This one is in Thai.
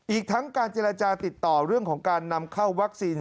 อีกทั้งการเจรจาติดต่อเรื่องของการนำเข้าวัคซีน